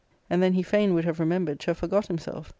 And then he fain would have remembered to have forgot himself.